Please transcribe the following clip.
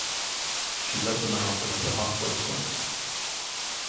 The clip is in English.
She led the marathon at the halfway point.